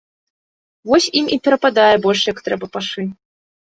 Вось ім і перападае больш як трэба пашы.